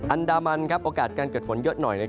อันดามันโอกาสการเกิดฝนเยอะหน่อย